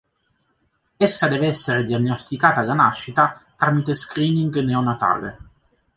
Essa deve essere diagnosticata alla nascita tramite screening neonatale.